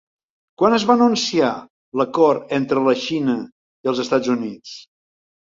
Quan es va anunciar l'acord entre la Xina i els Estats Units?